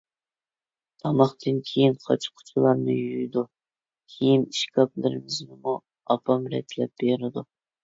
تاماقتىن كېيىن قاچا-قۇچىلارنى يۇيىدۇ. كىيىم ئىشكاپلىرىمىزنىمۇ ئاپام رەتلەپ بېرىدۇ.